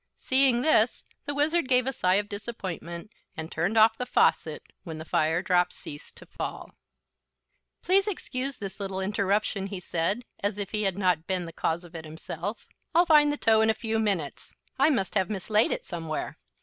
Seeing this the Wizard gave a sigh of disappointment and turned off the faucet, when the fire drops ceased to fall. "Please excuse this little interruption," he said, as if he had not been the cause of it himself. "I'll find the toe in a few minutes. I must have mislaid it somewhere."